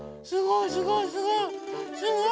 すごいすごいすごい。